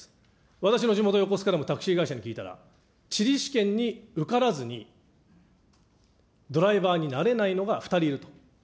私の地元、横須賀でもタクシー会社に聞いたら、地理試験に受からずにドライバーになれないのが２人いると。